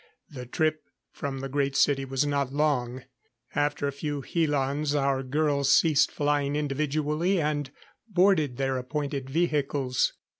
The trip from the Great City was not long. After a few helans our girls ceased flying individually and boarded their appointed vehicles.